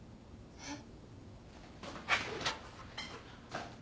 えっ。